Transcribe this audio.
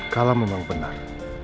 kalam memang benar